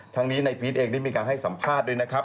ทั้งนี้ในพีชเองได้มีการให้สัมภาษณ์ด้วยนะครับ